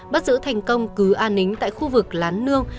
bắt giữ thành công cứ an nính tại khu vực lán nương